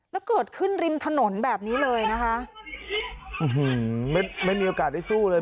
แล้วเกิดขึ้นริมถนนแบบนี้เลยนะคะไม่ไม่มีโอกาสได้สู้เลย